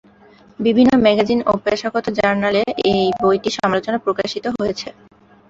বিভিন্ন ম্যাগাজিন ও পেশাগত জার্নালে এই বইটির সমালোচনা প্রকাশিত হয়েছে।